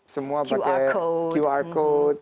semua pakai qr code